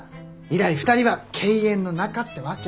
以来２人は敬遠の仲ってわけ。